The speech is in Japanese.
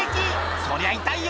そりゃ痛いよ。